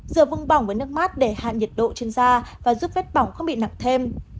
rửa vùng bỏng với nước mát để hạn nhiệt độ trên da và giúp vết bỏng không bị nặng thêm